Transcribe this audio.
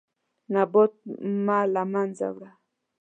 نبات مه له منځه وړه.